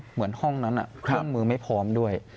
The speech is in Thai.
เหมือนห้องนั้นเครื่องมือไม่พร้อมด้วย